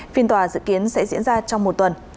phiên tòa dự kiến sẽ diễn ra trong một tuần